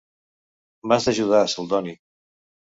M'has d'ajudar, Celdoni.